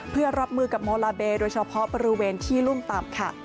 เพื่อรับมือกับโมลาเบโดยเฉพาะบริเวณที่รุ่มต่ำค่ะ